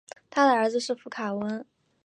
他的儿子是佛卡温。